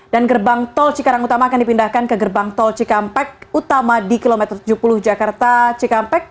dan gerbang tol cikarang utama akan dipindahkan ke gerbang tol cikampek utama di kilometer tujuh puluh jakarta cikampek